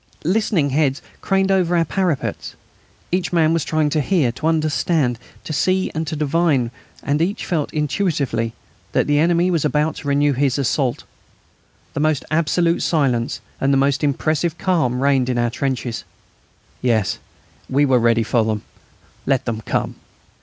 Listening heads craned over our parapets. Each man was trying to hear, to understand, to see, and to divine, and each felt intuitively that the enemy was about to renew his assault. The most absolute silence and the most impressive calm reigned in our trenches. Yes, we were ready for them! Let them come!